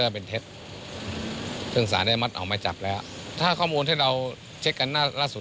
เป็นเท็จซึ่งสารได้มัดออกมาจับแล้วถ้าข้อมูลที่เราเช็คกันหน้าล่าสุด